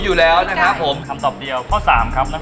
อยู่แล้วนะคะผมทำทำเบียวเพราะ๓ครับแล้ว